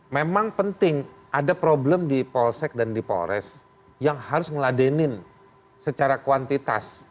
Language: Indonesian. memang penting ada problem di polsek dan di polres yang harus ngeladenin secara kuantitas